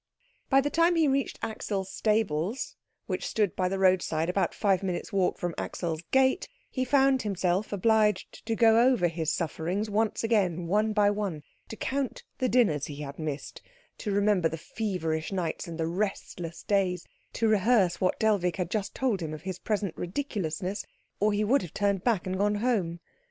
By the time he reached Axel's stables, which stood by the roadside about five minutes' walk from Axel's gate, he found himself obliged to go over his sufferings once again one by one, to count the dinners he had missed, to remember the feverish nights and the restless days, to rehearse what Dellwig had just told him of his present ridiculousness, or he would have turned back and gone home.